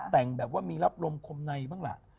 แต่งแบบว่ามีรับลมคมในบ้างล่ะ